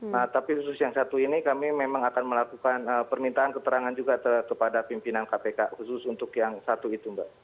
nah tapi khusus yang satu ini kami memang akan melakukan permintaan keterangan juga kepada pimpinan kpk khusus untuk yang satu itu mbak